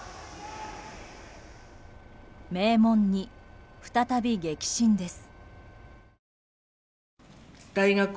名門に再び激震です。